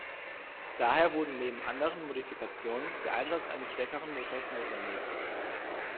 Daher wurde neben anderen Modifikationen der Einsatz eines stärkeren Motors notwendig.